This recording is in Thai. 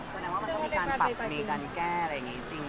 แสดงว่ามันต้องมีการปรับมีการแก้อะไรอย่างนี้จริง